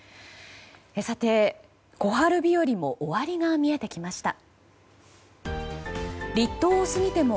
小春日和も終わりが見えてきました。